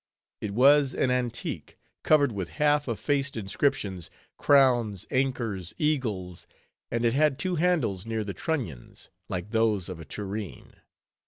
It was an antique, covered with half effaced inscriptions, crowns, anchors, eagles; and it had two handles near the trunnions, like those of a tureen.